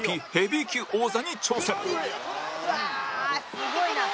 すごいな」